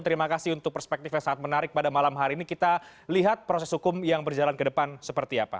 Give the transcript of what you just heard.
terima kasih untuk perspektif yang sangat menarik pada malam hari ini kita lihat proses hukum yang berjalan ke depan seperti apa